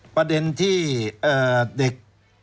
ประเด็นที่เด็ก